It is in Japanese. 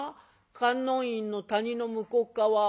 「観音院の谷の向こうっ側」。